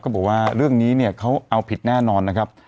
เขาบอกว่ามันเอาผิดแน่นอนนะฮับ